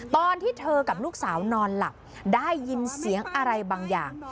ตอนที่เธอกับลูกสาวนอนหลับได้ยินเสียงอะไรบางอย่าง